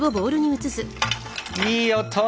いい音。